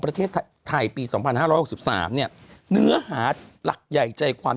ประเทศไทยปี๒๕๖๓เนื้อหาหลักใหญ่ใจความ